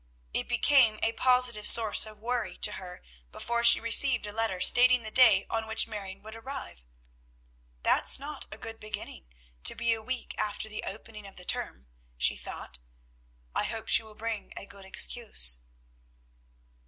It became a positive source of worry to her before she received a letter stating the day on which Marion would arrive. "That's not a good beginning, to be a week after the opening of the term," she thought. "I hope she will bring a good excuse."